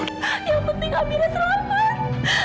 yang penting amira selamat